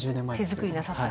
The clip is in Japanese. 手作りなさった。